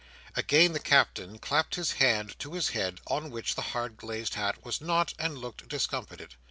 Again the Captain clapped his hand to his head, on which the hard glazed hat was not, and looked discomfited.